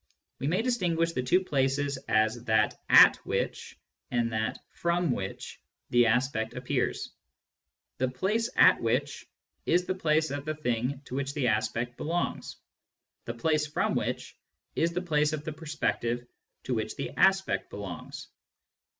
We may distinguish the two places as that at which, and that from which, the aspect appears. The " place at which " is the place of the thing to which the aspect belongs ; the " place from which " is the place of the perspective to which the aspect belongs.